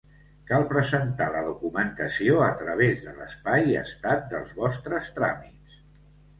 Cal presentar la documentació a través de l'espai Estat dels vostres tràmits.